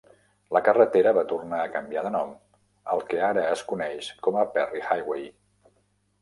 La carretera va tornar a canviar de nom al que ara es coneix com a Perry Highway.